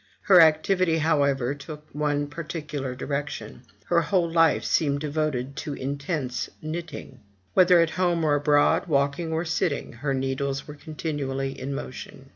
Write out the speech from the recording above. Her activity, however, took one particular direction: her whole life seemed devoted to intense knitting; whether at home or abroad, walking or sitting, her needles were continually in motion.